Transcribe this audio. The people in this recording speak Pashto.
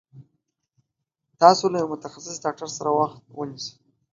تاسو له يوه متخصص ډاکټر سره وخت ونيسي